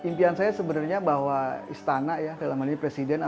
impian saya sebenarnya bahwa istana ya dalam hal ini presiden